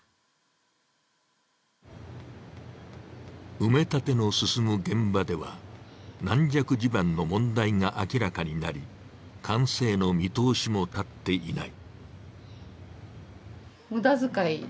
埋め立ての進む現場では軟弱地盤の問題が明らかになり、完成の見通しも立っていない。